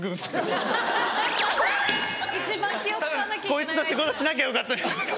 「こいつと仕事しなきゃよかった」みたいな。